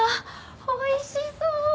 おいしそう。